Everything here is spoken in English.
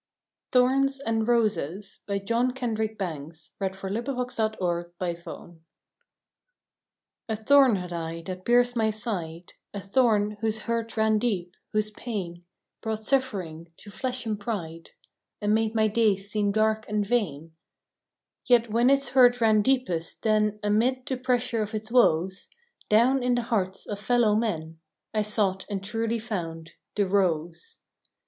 the Friendship fair betwixt us two! November Tenth THORNS AND ROSES A THORN had I that pierced my side, ^* A thorn whose hurt ran deep, whose pain Brought suffering to flesh and pride, And made my days seem dark and vain. Yet when its hurt ran deepest, then Amid the pressure of its woes Down in the hearts of fellow men I sought and truly found the rose!